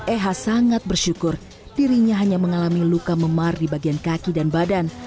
eha sangat bersyukur dirinya hanya mengalami luka memar di bagian kaki dan badan